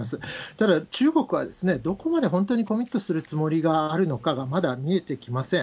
ただ、中国はどこまで本当にコミットするつもりがあるのかがまだ見えてきません。